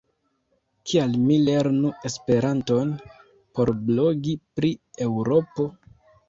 Kial mi lernu Esperanton por blogi pri Eŭropo?